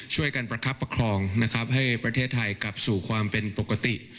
ช่วยกันประคับประคองนะครับให้ประเทศไทยกลับสู่ความเป็นปกติ